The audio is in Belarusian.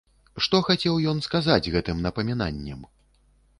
Што хацеў ён сказаць гэтым напамінаннем?